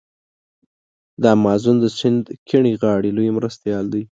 د امازون د سیند کیڼې غاړي لوی مرستیال دی.